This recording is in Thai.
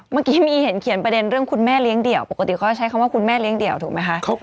เมื่อกี้มีเห็นเขียนประเด็นเรื่องคุณแม่เลี้ยงเดี่ยวปกติเขาใช้คำว่าคุณแม่เลี้ยเดี่ยวถูกไหมคะ